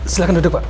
silahkan duduk pak